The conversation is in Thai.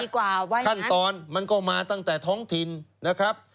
ขั้นตอนมันก็มาตั้งแต่ท้องถิ่นนะครับ